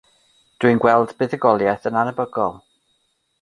Dwi'n gweld buddugoliaeth yn annhebygol.